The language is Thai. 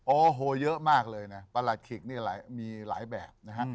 โอ้โหเยอะมากเลยนะประหลัดขิกนี่มีหลายแบบนะฮะ